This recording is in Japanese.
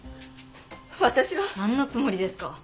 何のつもりですか？